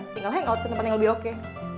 tinggal hangout ke tempat yang lebih oke